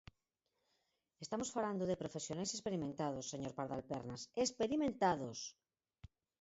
Estamos falando de profesionais experimentados, señor Pardal Pernas, ¡experimentados!